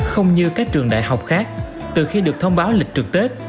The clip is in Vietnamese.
không như các trường đại học khác từ khi được thông báo lịch trực tết